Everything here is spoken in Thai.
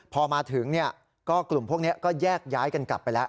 พอมาถึงกลุ่มพวกนี้ก็แยกย้ายกันกลับไปแล้ว